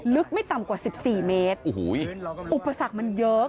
ลึกไม่ต่ำกว่าสิบสี่เมตรอุปสรรคมันเยอะ